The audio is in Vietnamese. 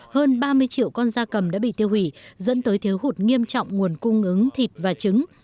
hơn ba mươi triệu con da cầm đã bị tiêu hủy dẫn tới thiếu hụt nghiêm trọng nguồn cung ứng thịt và trứng